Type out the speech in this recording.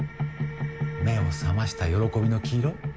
目を覚ました「喜び」の黄色？